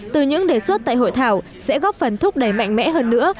từ những đề xuất tại hội thảo sẽ góp phần thúc đẩy mạnh mẽ hơn nữa